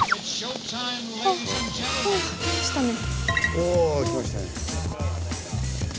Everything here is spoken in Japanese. お来ましたね。